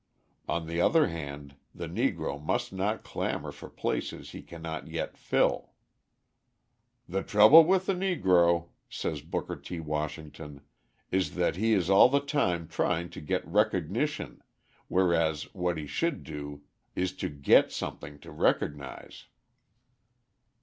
On the other hand, the Negro must not clamour for places he cannot yet fill. "The trouble with the Negro," says Booker T. Washington, "is that he is all the time trying to get recognition, whereas what he should do is to get something to recognise."